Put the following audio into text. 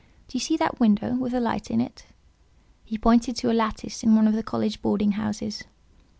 Do you see that window with a light in it?" He pointed to a lattice in one of the college boarding houses.